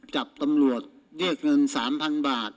จับตำรวจแยกเงิน๓๐๐๐บาท